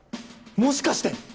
もしかして！